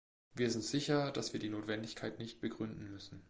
Wir sind sicher, dass wir die Notwendigkeit nicht begründen müssen.